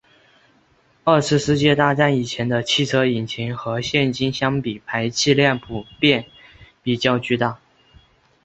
二次世界大战以前的汽车引擎和现今相比排气量普遍比较巨大。